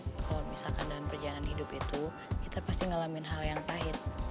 kalau misalkan dalam perjalanan hidup itu kita pasti ngalamin hal yang pahit